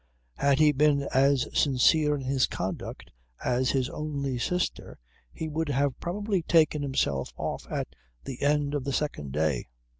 Had he been as sincere in his conduct as his only sister he would have probably taken himself off at the end of the second day.